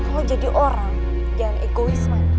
lo jadi orang jangan egoisman